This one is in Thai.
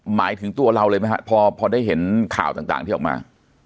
หมายถึงตัวเราเลยไหมครับพอได้เห็นข่าวต่างที่ออกมา